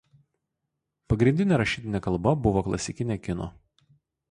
Pagrindinė rašytinė kalba buvo klasikinė kinų.